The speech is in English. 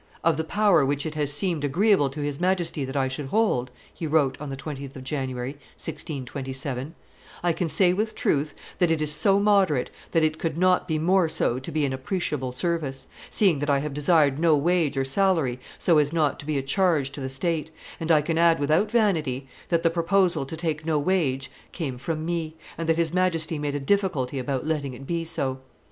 "Of the power which it has seemed agreeable to his Majesty that I should hold," he wrote on the 20th of January, 1627, "I can say with truth, that it is so moderate that it could not be more so to be an appreciable service, seeing that I have desired no wage or salary so as not to be a charge to the state, and I can add without vanity that the proposal to take no wage came from me, and that his Majesty made a difficulty about letting it be so."